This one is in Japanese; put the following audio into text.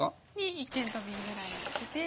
一間トビぐらい打ってて。